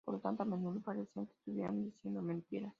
Por tanto a menudo parecía que estuviera diciendo mentiras.